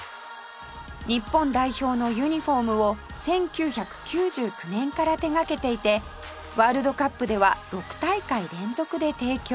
日本代表のユニホームを１９９９年から手掛けていてワールドカップでは６大会連続で提供